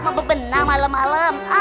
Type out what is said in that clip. mabuk benang malam malam